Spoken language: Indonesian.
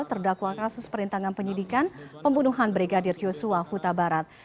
terdakwa kasus perintangan penyidikan pembunuhan brigadir yosua huta barat